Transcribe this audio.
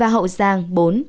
hậu giang bốn